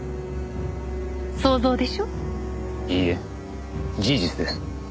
いいえ事実です。